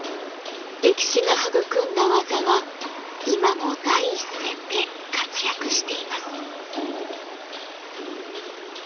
歴史が育んだ技は今も第一線で活躍しています。